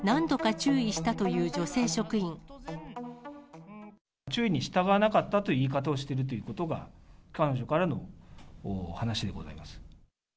注意に従わなかったという言い方をしているということが、彼女からの話でございます。